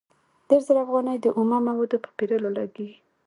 دېرش زره افغانۍ د اومه موادو په پېرلو لګېږي